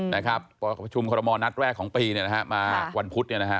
นะครับประชุมคณแตรแรกของปารภัลพุทต์เนี่ยนะครับ